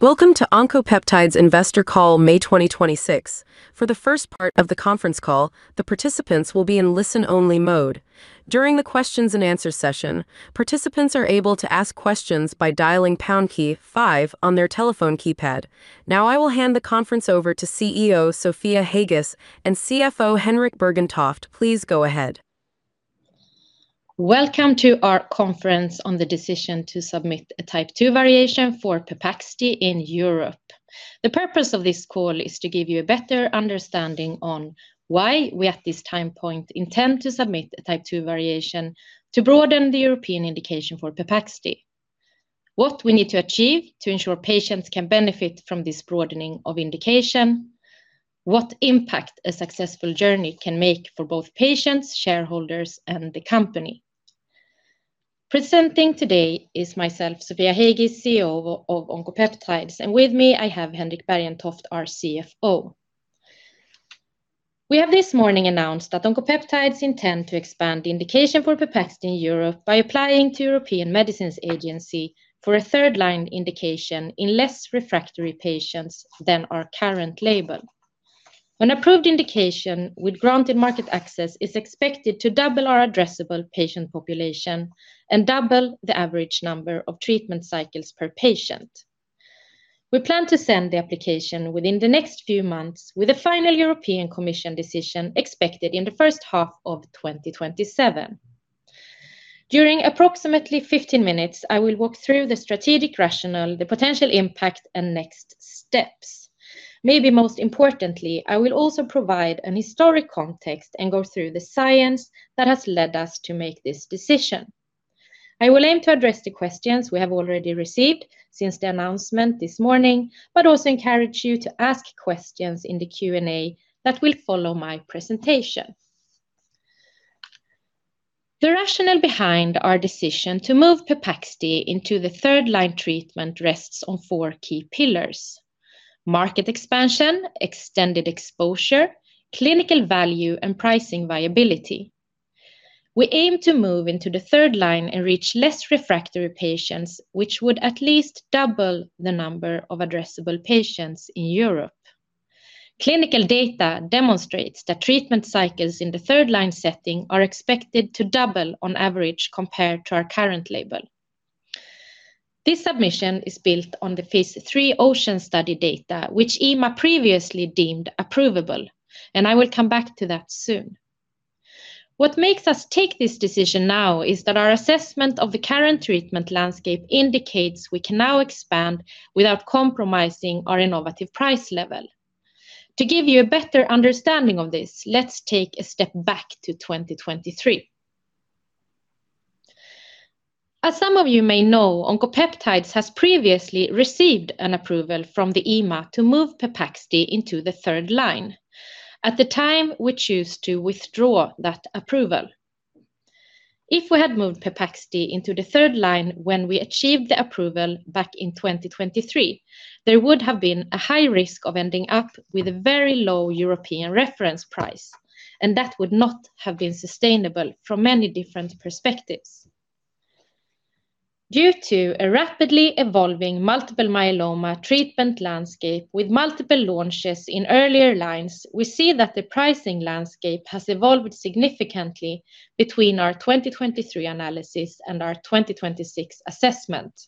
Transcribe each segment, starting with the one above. Welcome to Oncopeptides Investor Call May 2026. For the first part of the conference call, the participants will be in listen only mode. During the questions and answers session, participants are able to ask questions by dialing pound key five on their telephone keypad. Now I will hand the conference over to CEO Sofia Heigis and CFO Henrik Bergentoft. Please go ahead. Welcome to our conference on the decision to submit a Type II variation for Pepaxti in Europe. The purpose of this call is to give you a better understanding on why we at this time point intend to submit a Type II variation to broaden the European indication for Pepaxti, what we need to achieve to ensure patients can benefit from this broadening of indication, what impact a successful journey can make for both patients, shareholders, and the company. Presenting today is myself, Sofia Heigis, CEO of Oncopeptides, and with me I have Henrik Bergentoft, our CFO. We have this morning announced that Oncopeptides intend to expand the indication for Pepaxti in Europe by applying to European Medicines Agency for a third line indication in less refractory patients than our current label. An approved indication with granted market access is expected to double our addressable patient population and double the average number of treatment cycles per patient. We plan to send the application within the next few months with a final European Commission decision expected in the first half of 2027. During approximately 15 minutes, I will walk through the strategic rationale, the potential impact, and next steps. Maybe most importantly, I will also provide an historic context and go through the science that has led us to make this decision. I will aim to address the questions we have already received since the announcement this morning, but also encourage you to ask questions in the Q&A that will follow my presentation. The rationale behind our decision to move Pepaxti into the third-line treatment rests on four key pillars: market expansion, extended exposure, clinical value, and pricing viability. We aim to move into the third-line and reach less refractory patients, which would at least double the number of addressable patients in Europe. Clinical data demonstrates that treatment cycles in the third-line setting are expected to double on average compared to our current label. This submission is built on the phase III OCEAN study data which EMA previously deemed approvable, and I will come back to that soon. What makes us take this decision now is that our assessment of the current treatment landscape indicates we can now expand without compromising our innovative price level. To give you a better understanding of this, let's take a step back to 2023. As some of you may know, Oncopeptides has previously received an approval from the EMA to move Pepaxti into the third line. At the time, we choose to withdraw that approval. If we had moved Pepaxti into the third-line when we achieved the approval back in 2023, there would have been a high risk of ending up with a very low European reference price, and that would not have been sustainable from many different perspectives. Due to a rapidly evolving multiple myeloma treatment landscape with multiple launches in earlier lines, we see that the pricing landscape has evolved significantly between our 2023 analysis and our 2026 assessment.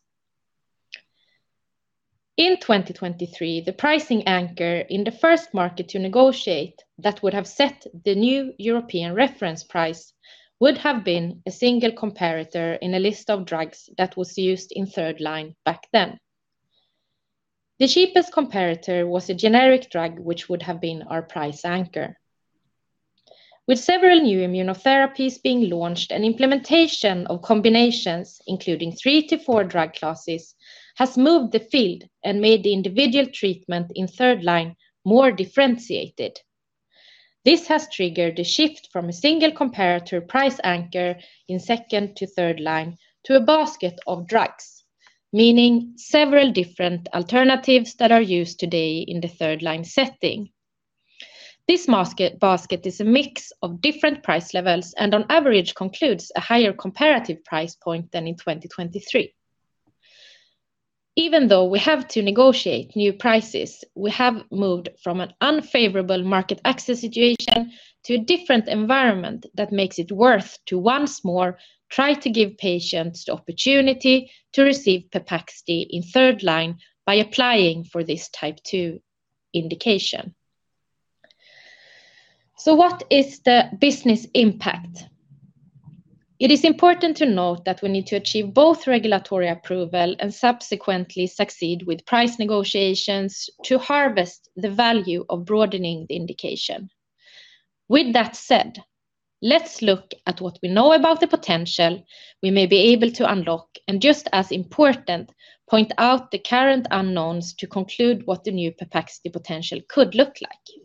In 2023, the pricing anchor in the first market to negotiate that would have set the new European reference price would have been a single comparator in a list of drugs that was used in third-line back then. The cheapest comparator was a generic drug which would have been our price anchor. With several new immunotherapies being launched and implementation of combinations including three to four drug classes has moved the field and made the individual treatment in third-line more differentiated. This has triggered a shift from a single comparator price anchor in second to third-line to a basket of drugs, meaning several different alternatives that are used today in the third-line setting. This basket is a mix of different price levels and on average concludes a higher comparative price point than in 2023. Even though we have to negotiate new prices, we have moved from an unfavorable market access situation to a different environment that makes it worth to once more try to give patients the opportunity to receive Pepaxti in third-line by applying for this Type II indication. What is the business impact? It is important to note that we need to achieve both regulatory approval and subsequently succeed with price negotiations to harvest the value of broadening the indication. With that said, let's look at what we know about the potential we may be able to unlock, and just as important, point out the current unknowns to conclude what the new Pepaxti potential could look like.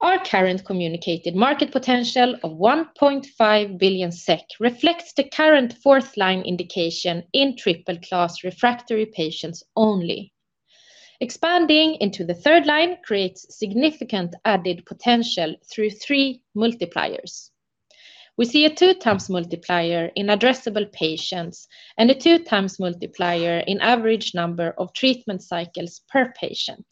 Our current communicated market potential of 1.5 billion SEK reflects the current fourth line indication in triple-class refractory patients only. Expanding into the third-line creates significant added potential through three multipliers. We see a two times multiplier in addressable patients and a two times multiplier in average number of treatment cycles per patient.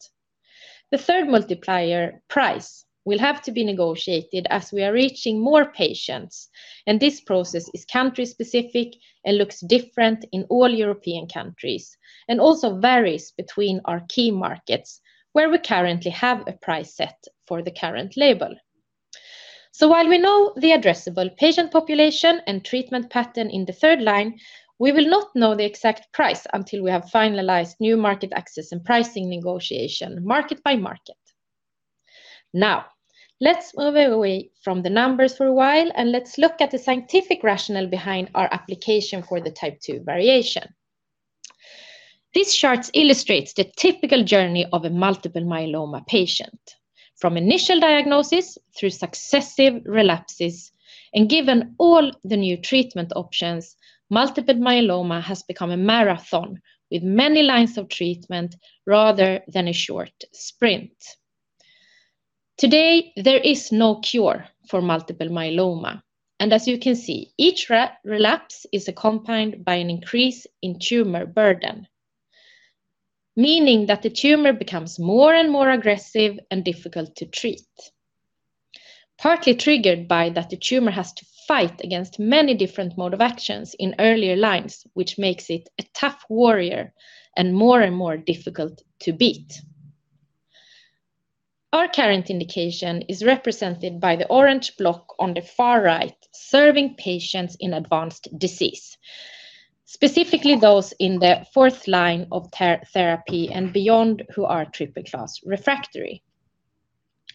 The third multiplier, price, will have to be negotiated as we are reaching more patients, and this process is country-specific and looks different in all European countries and also varies between our key markets where we currently have a price set for the current label. While we know the addressable patient population and treatment pattern in the third-line, we will not know the exact price until we have finalized new market access and pricing negotiation market by market. Now, let's move away from the numbers for a while and let's look at the scientific rationale behind our application for the Type II variation. This chart illustrates the typical journey of a multiple myeloma patient from initial diagnosis through successive relapses. Given all the new treatment options, multiple myeloma has become a marathon with many lines of treatment rather than a short sprint. Today, there is no cure for multiple myeloma, and as you can see, each relapse is accompanied by an increase in tumor burden, meaning that the tumor becomes more and more aggressive and difficult to treat. Partly triggered by that the tumor has to fight against many different mode of actions in earlier lines, which makes it a tough warrior and more and more difficult to beat. Our current indication is represented by the orange block on the far right, serving patients in advanced disease, specifically those in the fourth-line of therapy and beyond who are triple-class refractory.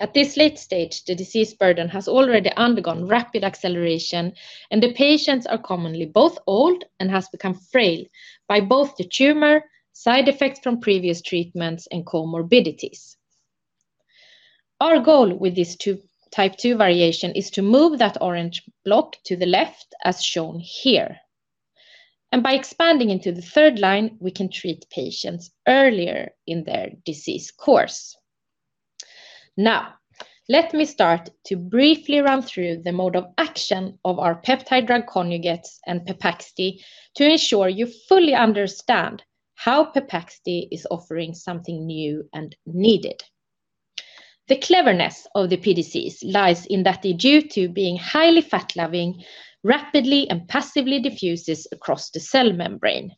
At this late stage, the disease burden has already undergone rapid acceleration, and the patients are commonly both old and has become frail by both the tumor, side effects from previous treatments, and comorbidities. Our goal with this Type II variation is to move that orange block to the left as shown here. By expanding into the third line, we can treat patients earlier in their disease course. Now, let me start to briefly run through the mode of action of our peptide drug conjugates and Pepaxti to ensure you fully understand how Pepaxti is offering something new and needed. The cleverness of the PDCs lies in that they, due to being highly fat-loving, rapidly and passively diffuses across the cell membrane.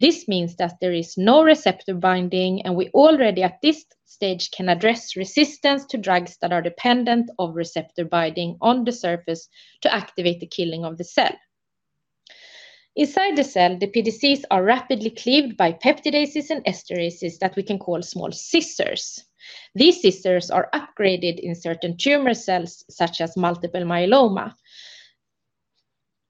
This means that there is no receptor binding, and we already at this stage can address resistance to drugs that are dependent of receptor binding on the surface to activate the killing of the cell. Inside the cell, the PDCs are rapidly cleaved by peptidases and esterases that we can call small scissors. These esterases are upgraded in certain tumor cells such as multiple myeloma,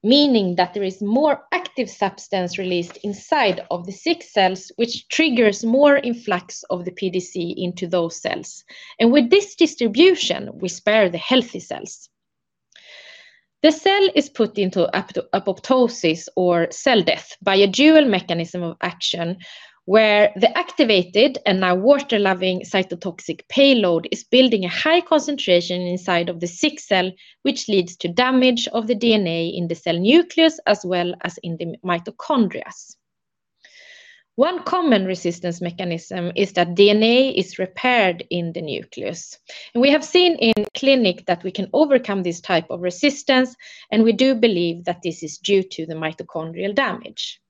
meaning that there is more active substance released inside of the sick cells which triggers more influx of the PDC into those cells. With this distribution, we spare the healthy cells. The cell is put into apoptosis or cell death by a dual mechanism of action where the activated and now water-loving cytotoxic payload is building a high concentration inside of the sick cell, which leads to damage of the DNA in the cell nucleus as well as in the mitochondria. One common resistance mechanism is that DNA is repaired in the nucleus. We have seen in clinic that we can overcome this type of resistance, and we do believe that this is due to the mitochondrial damage.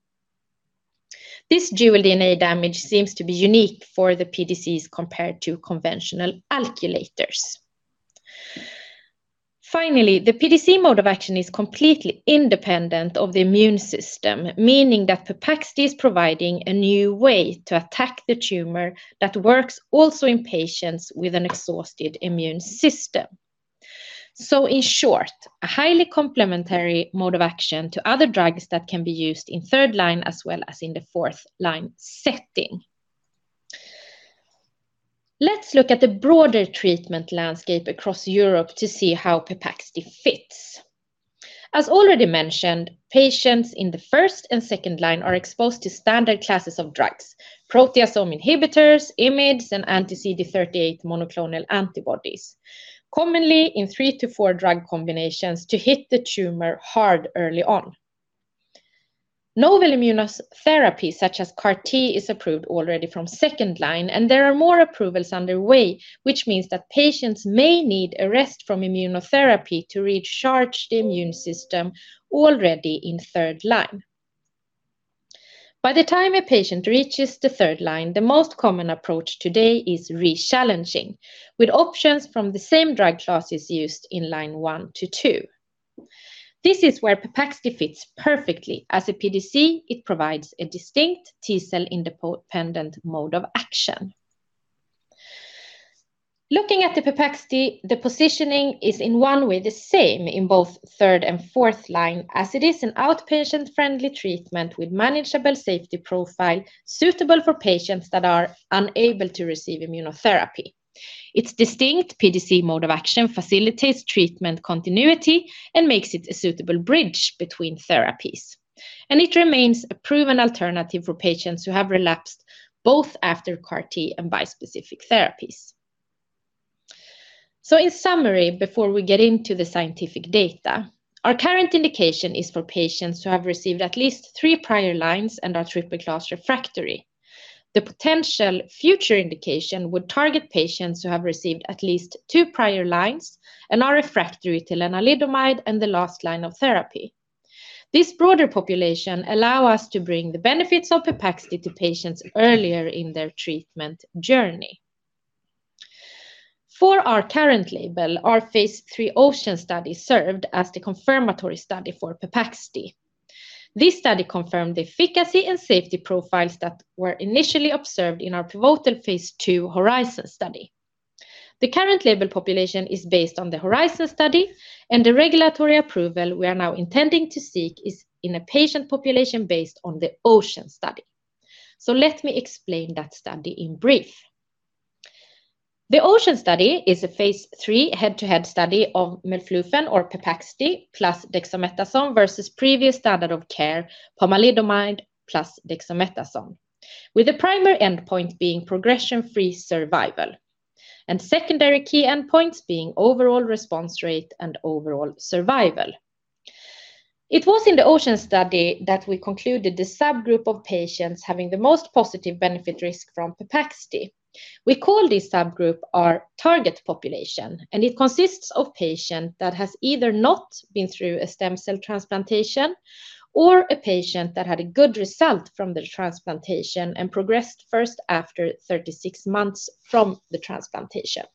This dual DNA damage seems to be unique for the PDCs compared to conventional alkylators. The PDC mode of action is completely independent of the immune system, meaning that Pepaxti is providing a new way to attack the tumor that works also in patients with an exhausted immune system. In short, a highly complementary mode of action to other drugs that can be used in third line as well as in the fourth line setting. Let's look at the broader treatment landscape across Europe to see how Pepaxti fits. As already mentioned, patients in the first and second-line are exposed to standard classes of drugs, proteasome inhibitors, IMiDs, and anti-CD38 monoclonal antibodies, commonly in three to four drug combinations to hit the tumor hard early on. Novel immunotherapy such as CAR T is approved already from 2nd line, and there are more approvals underway, which means that patients may need a rest from immunotherapy to recharge the immune system already in third-line. By the time a patient reaches the third-line, the most common approach today is re-challenging with options from the same drug classes used in line one to two. This is where Pepaxti fits perfectly. As a PDC, it provides a distinct T-cell-independent mode of action. Looking at the Pepaxti, the positioning is in one way the same in both third and fourth line as it is an outpatient-friendly treatment with manageable safety profile suitable for patients that are unable to receive immunotherapy. Its distinct PDC mode of action facilitates treatment continuity and makes it a suitable bridge between therapies. It remains a proven alternative for patients who have relapsed both after CAR-T and bispecific therapies. In summary, before we get into the scientific data, our current indication is for patients who have received at least three prior lines and are triple-class refractory. The potential future indication would target patients who have received at least two prior lines and are refractory to lenalidomide and the last line of therapy. This broader population allow us to bring the benefits of Pepaxti to patients earlier in their treatment journey. For our current label, our phase III OCEAN study served as the confirmatory study for Pepaxti. This study confirmed the efficacy and safety profiles that were initially observed in our pivotal phase II HORIZON study. The current label population is based on the HORIZON study, and the regulatory approval we are now intending to seek is in a patient population based on the OCEAN study. Let me explain that study in brief. The OCEAN study is a phase III head-to-head study of melflufen or Pepaxti plus dexamethasone versus previous standard of care pomalidomide plus dexamethasone, with the primary endpoint being progression-free survival and secondary key endpoints being overall response rate and overall survival. It was in the OCEAN study that we concluded the subgroup of patients having the most positive benefit risk from Pepaxti. We call this subgroup our target population, and it consists of patient that has either not been through a stem cell transplantation or a patient that had a good result from the transplantation and progressed first after 36 months from the transplantation.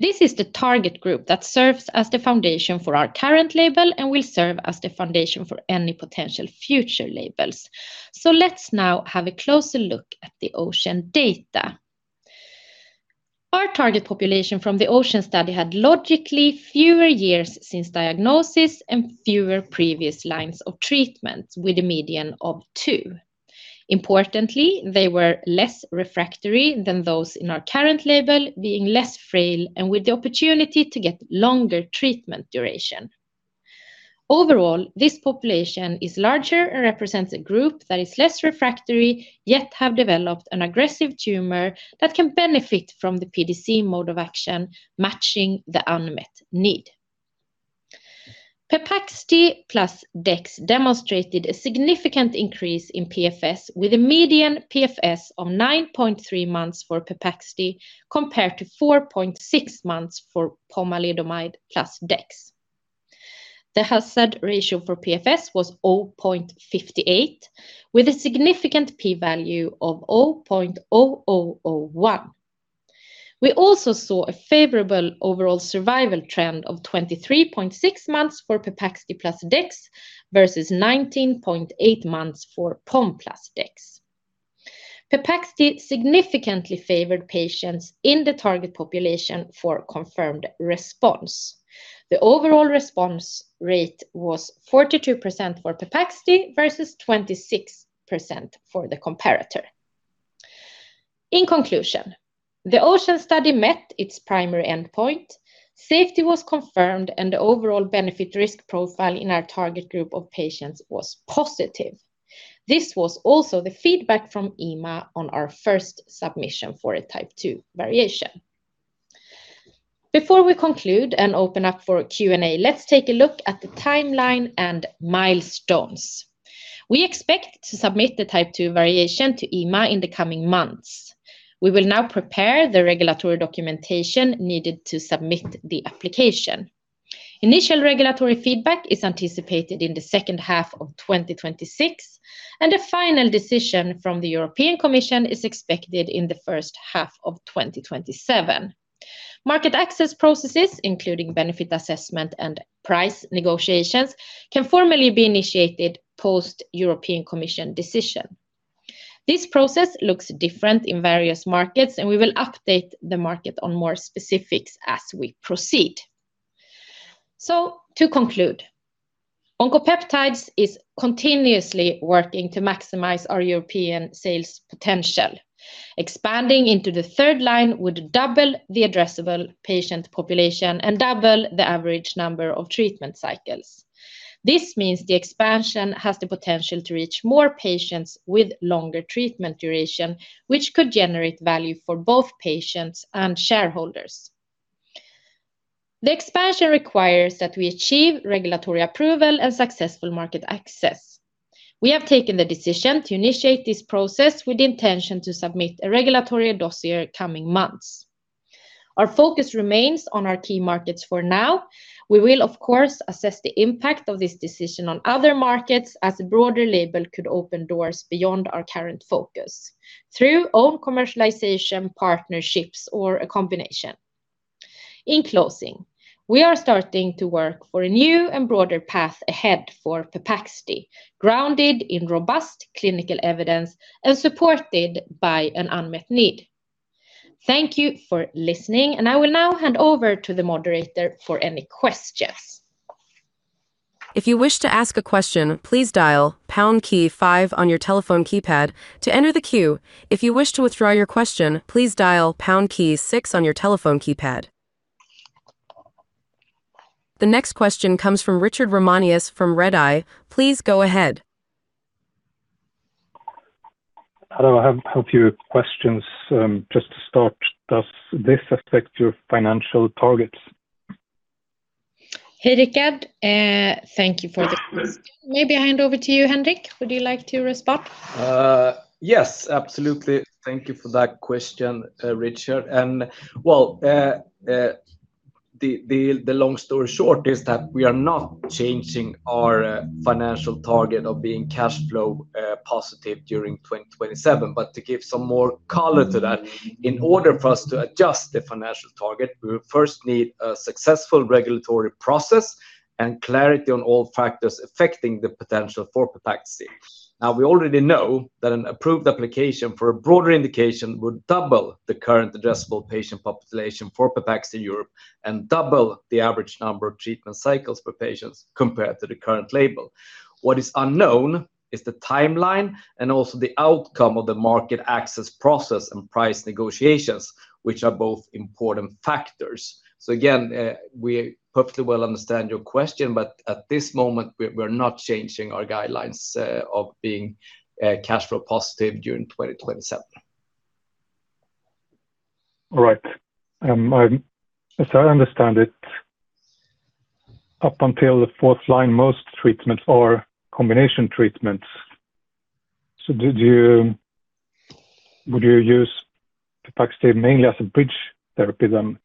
This is the target group that serves as the foundation for our current label and will serve as the foundation for any potential future labels. Let's now have a closer look at the OCEAN data. Our target population from the OCEAN study had logically fewer years since diagnosis and fewer previous lines of treatment, with a median of two. Importantly, they were less refractory than those in our current label, being less frail and with the opportunity to get longer treatment duration. Overall, this population is larger and represents a group that is less refractory, yet have developed an aggressive tumor that can benefit from the PDC mode of action matching the unmet need. Pepaxti plus dex demonstrated a significant increase in PFS with a median PFS of 9.3 months for Pepaxti compared to 4.6 months for pomalidomide plus dex. The hazard ratio for PFS was 0.58, with a significant P value of 0.0001. We also saw a favorable overall survival trend of 23.6 months for Pepaxti plus dex versus 19.8 months for pom plus dex. Pepaxti significantly favored patients in the target population for confirmed response. The overall response rate was 42% for Pepaxti versus 26% for the comparator. In conclusion, the OCEAN study met its primary endpoint. Safety was confirmed, and the overall benefit risk profile in our target group of patients was positive. This was also the feedback from EMA on our first submission for a Type II variation. Before we conclude and open up for Q&A, let's take a look at the timeline and milestones. We expect to submit the Type II variation to EMA in the coming months. We will now prepare the regulatory documentation needed to submit the application. Initial regulatory feedback is anticipated in the second half of 2026, and a final decision from the European Commission is expected in the first half of 2027. Market access processes, including benefit assessment and price negotiations, can formally be initiated post European Commission decision. This process looks different in various markets, and we will update the market on more specifics as we proceed. To conclude, Oncopeptides is continuously working to maximize our European sales potential. Expanding into the third-line would double the addressable patient population and double the average number of treatment cycles. This means the expansion has the potential to reach more patients with longer treatment duration, which could generate value for both patients and shareholders. The expansion requires that we achieve regulatory approval and successful market access. We have taken the decision to initiate this process with the intention to submit a regulatory dossier coming months. Our focus remains on our key markets for now. We will, of course, assess the impact of this decision on other markets as a broader label could open doors beyond our current focus through own commercialization, partnerships, or a combination. In closing, we are starting to work for a new and broader path ahead for Pepaxti, grounded in robust clinical evidence and supported by an unmet need. Thank you for listening, and I will now hand over to the moderator for any questions. The next question comes from Richard Ramanius from Redeye. Please go ahead. Hello. I have a few questions. Just to start, does this affect your financial targets? Hey, Richard. Thank you for the question. Maybe I hand over to you, Henrik. Would you like to respond? Yes, absolutely. Thank you for that question, Richard. Well, the long story short is that we are not changing our financial target of being cashflow positive during 2027. To give some more color to that, in order for us to adjust the financial target, we will first need a successful regulatory process and clarity on all factors affecting the potential for Pepaxti. Now, we already know that an approved application for a broader indication would double the current addressable patient population for Pepaxti Europe and double the average number of treatment cycles per patients compared to the current label. What is unknown is the timeline and also the outcome of the market access process and price negotiations, which are both important factors. Again, we perfectly well understand your question, but at this moment we're not changing our guidelines, of being cashflow positive during 2027. All right. as I understand it, up until the fourth line, most treatments are combination treatments. would you use Pepaxti mainly as a bridge therapy then?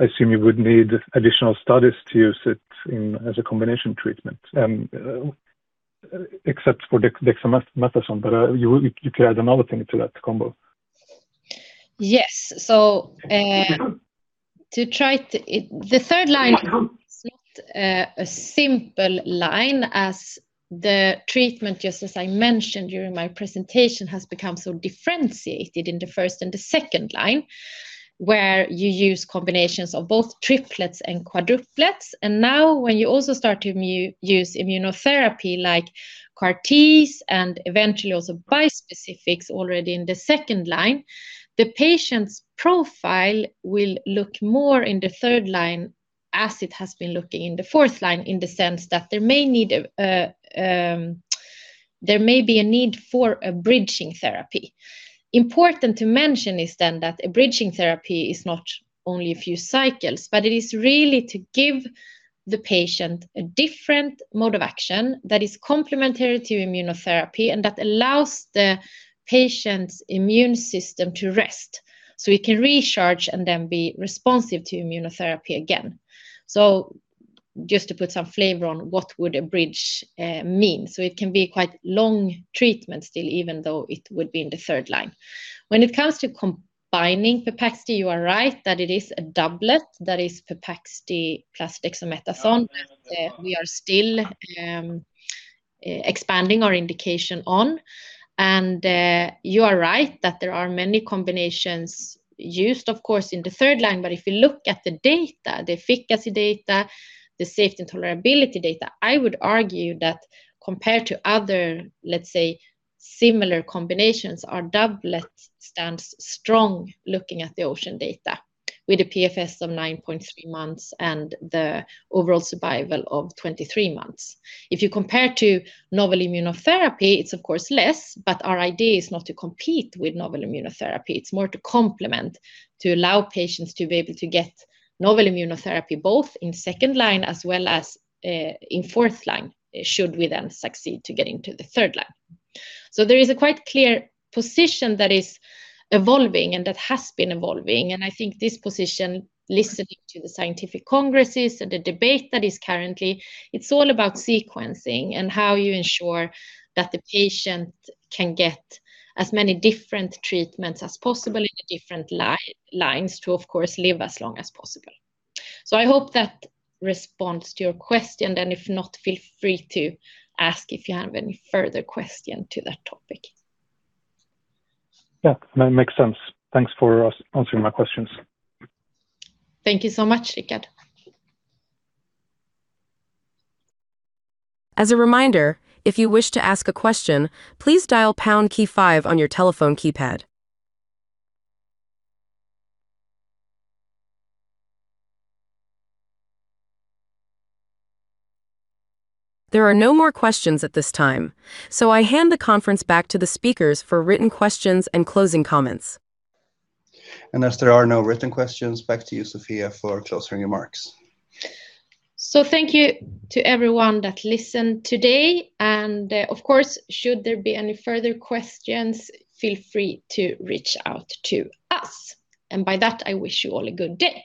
I assume you would need additional studies to use it as a combination treatment, except for dexamethasone. You could add another thing to that combo. Yes. The third-line is not a simple line as the treatment, just as I mentioned during my presentation, has become so differentiated in the first and the second-line, where you use combinations of both triplets and quadruplets. Now when you also start to use immunotherapy like CAR-T and eventually also bispecifics already in the second line, the patient's profile will look more in the third line as it has been looking in the fourth line, in the sense that there may be a need for a bridging therapy. Important to mention is then that a bridging therapy is not only a few cycles, but it is really to give the patient a different mode of action that is complementary to immunotherapy and that allows the patient's immune system to rest, so it can recharge and then be responsive to immunotherapy again. just to put some flavor on what would a bridge mean. It can be quite long treatment still, even though it would be in the third-line. When it comes to combining Pepaxti, you are right that it is a doublet that is Pepaxti plus dexamethasone. We are still expanding our indication on, and you are right that there are many combinations used, of course, in the third line. If you look at the data, the efficacy data, the safety and tolerability data, I would argue that compared to other, let's say, similar combinations, our doublet stands strong looking at the OCEAN data with a PFS of 9.3 months and the overall survival of 23 months. If you compare to novel immunotherapy, it's of course less. Our idea is not to compete with novel immunotherapy. It's more to complement, to allow patients to be able to get novel immunotherapy both in second-line as well as in fourth line, should we then succeed to get into the third-line. There is a quite clear position that is evolving and that has been evolving, and I think this position, listening to the scientific congresses and the debate that is currently, it's all about sequencing and how you ensure that the patient can get as many different treatments as possible in the different lines to, of course, live as long as possible. I hope that responds to your question. If not, feel free to ask if you have any further question to that topic. Yeah, that makes sense. Thanks for answering my questions. Thank you so much, Richard. As a reminder, if you wish to ask a question, please dial pound key five on your telephone keypad. There are no more questions at this time, I hand the conference back to the speakers for written questions and closing comments. As there are no written questions, back to you, Sofia, for closing remarks. Thank you to everyone that listened today. Of course, should there be any further questions, feel free to reach out to us. By that, I wish you all a good day.